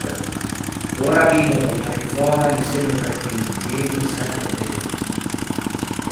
Ora vivono in Arizona insieme ai tre figli: Gabe, Seth ed Eli.